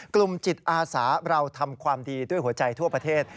กลุ่มจิตอาสาเราทำความดีด้วยหัวใจทั่วประเทศ